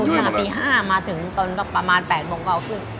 ตุ๊กปี๕มาถึงประมาณ๘๙คือ